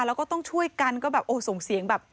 แล้วก็ต้องช่วยกันก็แบบโอ้ส่งเสียงแบบ